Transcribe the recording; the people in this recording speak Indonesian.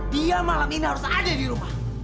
dia malam ini harus ada di rumah